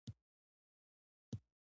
په لومړي کال څو ورځې رخصتي ورکول کیږي؟